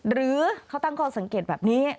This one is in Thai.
หรือเขาตั้งข้อสังเกตแบบนี้